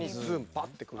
パッてくる。